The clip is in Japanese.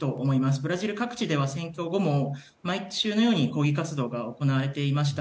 ブラジル各地では選挙後も毎週のように抗議活動が行われていました。